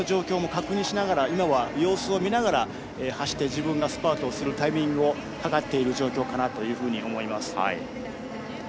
今は様子を見ながら走ってスパートするタイミングを計っている状況と思います。